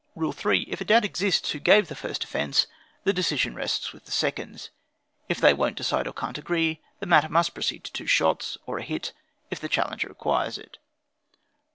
"Rule 3. If a doubt exist who gave the first offence, the decision rests with the seconds; if they won't decide or can't agree, the matter must proceed to two shots, or a hit, if the challenger requires it.